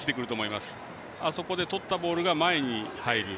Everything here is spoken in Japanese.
あそこで取ったボールが前に入る。